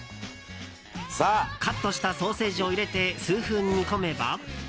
カットしたソーセージを入れて数分、煮込めば。